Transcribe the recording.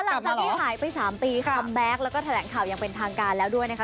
หลังจากที่หายไป๓ปีคัมแบ็คแล้วก็แถลงข่าวอย่างเป็นทางการแล้วด้วยนะคะ